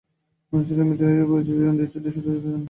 সিরিয়ার মিত্র হিসেবে পরিচিত ইরান দেশটিতে শত শত সেনা মোতায়েন করেছে।